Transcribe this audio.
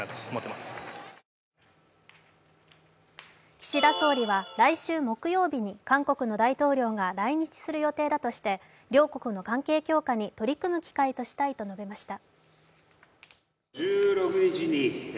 岸田総理は来週木曜日に韓国の大統領が来日する予定だとして、両国の関係強化に取り組む機会としたいと述べました。